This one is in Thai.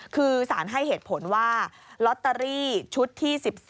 คือสารให้เหตุผลว่าลอตเตอรี่ชุดที่๑๔